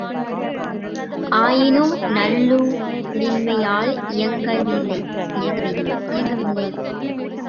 ஆயினும், நல்லூழின்மையால் இயங்கவில்லை.